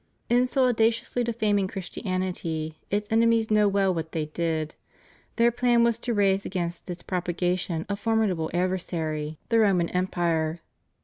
In so audaciously defaming Christianity its enemies know well what they did; their plan was to raise against its propagation a formidable adversary, the Roman 254 ALLEGIANCE TO THE REPUBLIC. Empire.